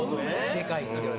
デカいですよね。